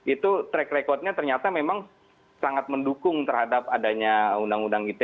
itu track recordnya ternyata memang sangat mendukung terhadap adanya undang undang ite